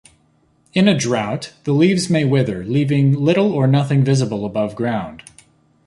In a drought, the leaves may wither, leaving little or nothing visible above ground.